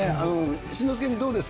新之助君、どうですか？